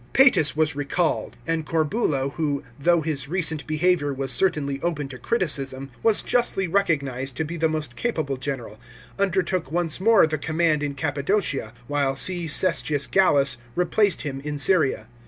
Pastus was recalled; and Corbulo, who, though his recent behaviour was certainly open to criticism, was justly recognised to be the most capable general, undertook once more the command in Cappadocia, while C. Cestius Gallus replaced him in Syria.